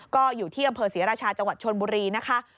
ก็อยู่ที่อำเภอศรีราชาจังหวัดชนบุรีนะคะ